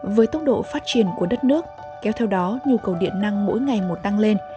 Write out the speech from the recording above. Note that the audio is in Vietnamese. với tốc độ phát triển của đất nước kéo theo đó nhu cầu điện năng mỗi ngày một tăng lên